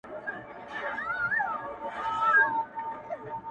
زما دي دلته په ځنگلونو کي غړومبی وي.!